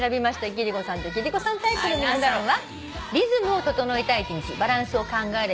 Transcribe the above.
貴理子さんと貴理子さんタイプの皆さんは。